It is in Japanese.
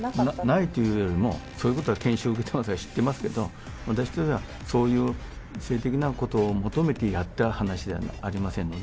ないというよりも、そういうことは研修を受けてますから知ってますけど、私としてはそういう性的なことを求めてやった話ではありませんので。